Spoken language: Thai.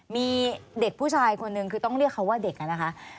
มีเด็กผู้ชายคนหนึ่งคือต้องเรียกเขาว่าเด็กนะคะ